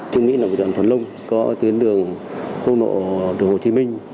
trường mỹ là một đoàn thuận lông có tuyến đường khu nộ đồ hồ chí minh